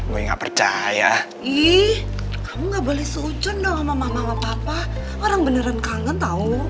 gue gak percaya ih kamu nggak boleh seucun dong sama mama papa orang beneran kangen tahu